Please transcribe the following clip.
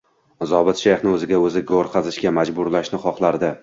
Zobit shayxni o`ziga o`zi go`r qazishga majburlashni xohlardi